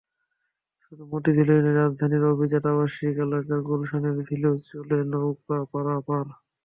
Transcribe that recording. শুধু মতিঝিলেই নয়, রাজধানীর অভিজাত আবাসিক এলাকা গুলশানের ঝিলেও চলে নৌকায় পারাপার।